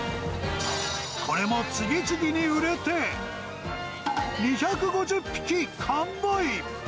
これも次々に売れて、２５０匹完売。